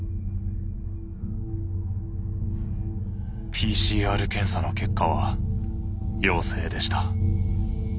ＰＣＲ検査の結果は陽性でした。